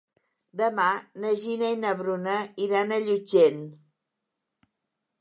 Demà na Gina i na Bruna iran a Llutxent.